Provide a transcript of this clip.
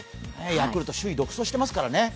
ヤクルト、首位独走してますからね。